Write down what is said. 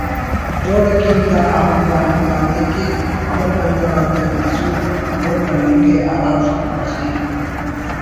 جوڑ کن دا ہم پاننگانے کہ ہمو بندغ آتیان اسُل مر مننگے ہرافک بخیل